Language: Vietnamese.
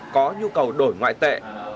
có nhu cầu đổi ngoại tệ